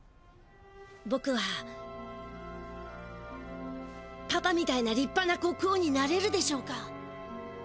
ぼくはパパみたいなりっぱな国王になれるでしょうか？